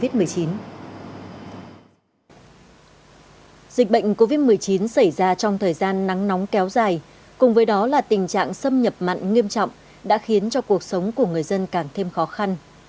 dịch bệnh covid một mươi chín xảy ra trong thời gian nắng nóng kéo dài cùng với đó là tình trạng xâm nhập mặn nghiêm trọng đã khiến cho cuộc sống của người dân càng thêm khó khăn